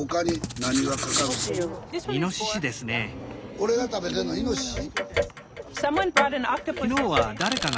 俺が食べてんのイノシシ？